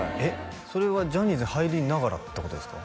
それはジャニーズに入りながらってことですか？